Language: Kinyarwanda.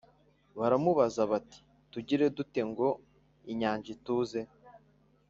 Baramubaza bati tugire dute ngo inyanja ituze